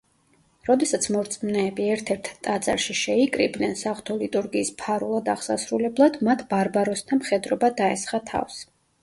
როდესაც მორწმუნეები ერთ-ერთ ტაძარში შეიკრიბნენ საღვთო ლიტურგიის ფარულად აღსასრულებლად, მათ ბარბაროსთა მხედრობა დაესხა თავს.